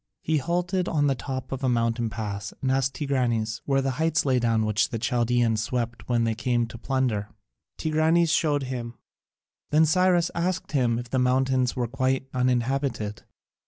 He halted on the top of a mountain pass and asked Tigranes where the heights lay down which the Chaldaeans swept when they came to plunder. Tigranes showed him. Then Cyrus asked him if the mountains were quite uninhabited.